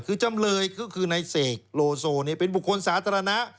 คือจำเลยก็คือในเสกโลโซเป็นบุคคลสาธารณะ